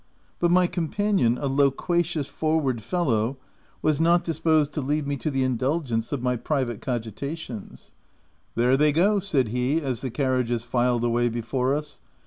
But my companion, a loquacious, for ward fellow, was not disposed to leave me to the indulgence of my private cogitations. 296 THE TENANT "There they go !" said he as the carriages filed away before us.